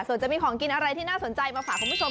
ส่วนจะมีของกินอะไรที่น่าสนใจมาฝากคุณผู้ชม